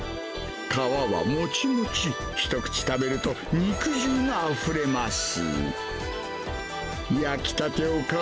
皮はもちもち、一口食べると、肉汁があふれます。